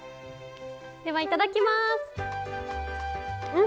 ではいただきます！